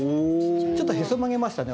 ちょっとへそ曲げましたね